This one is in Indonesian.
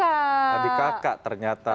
adik kakak ternyata